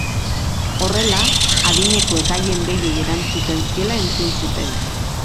Horrela, adinekoak haien deiei erantzuten ziela entzun zuten.